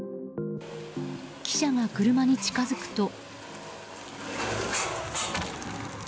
記者が車に近づくと。